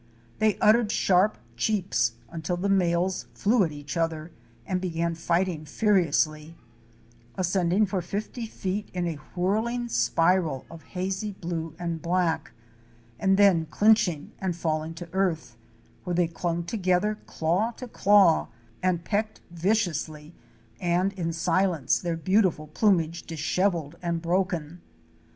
They uttered sharp cheeps, until the males flew at each other and began fighting furi ously — ascending for fifty feet in a whirling spiral of hazy blue and black, and then clinching and falling to earth, where they clung together claw to claw, and pecked viciously and in silence, their beautiful plumage disheveled and broken.